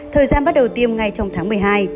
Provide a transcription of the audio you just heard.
thời gian bắt đầu tiêm ngay trong tháng một mươi hai